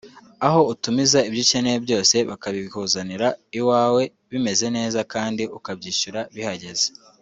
aho utumiza ibyo ukeneye byose bakabikuzanira iwawe bimeze neza kandi ukabyishyura bihageze